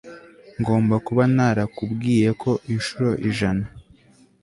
Ngomba kuba narakubwiye ko inshuro ijana